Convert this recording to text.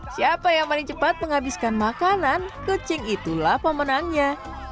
siapa yang paling cepat menghabiskan makanan kucing itulah pemenangnya